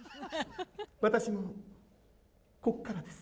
私もここからです。